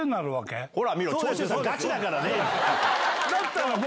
だったら僕。